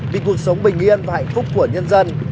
vì cuộc sống bình yên và hạnh phúc của nhân dân